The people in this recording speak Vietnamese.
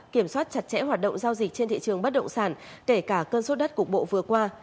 kiểm soát chặt chẽ hoạt động giao dịch trên thị trường bất động sản kể cả cơn sốt đất cục bộ vừa qua